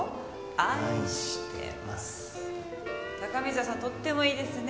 高見沢さんとってもいいですね。